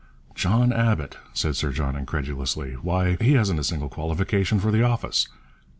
'John Abbott,' said Sir John incredulously. 'Why, he hasn't a single qualification for the office.